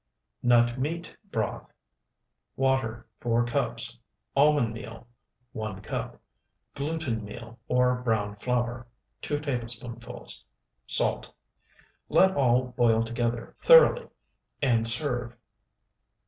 NUT MEAT BROTH Water, 4 cups. Almond meal, 1 cup. Gluten meal or browned flour, 2 tablespoonfuls. Salt. Let all boil together thoroughly, and serve.